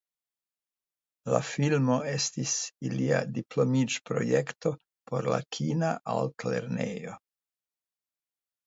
La filmo estis ilia diplomiĝprojekto por la kina altlernejo.